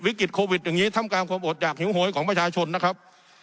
วิกฤตโควิดอย่างนี้ทำกลางความอดอยากหิวโหยของประชาชนนะครับ